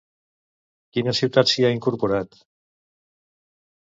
Quina ciutat s'hi ha incorporat?